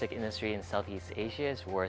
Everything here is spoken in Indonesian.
dalam industri logistik di asia tenggara